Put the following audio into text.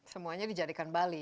semuanya dijadikan bali